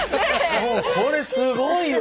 これすごいわ。